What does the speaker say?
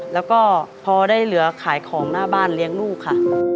แล้วก็พอได้เหลือขายของหน้าบ้านเลี้ยงลูกค่ะ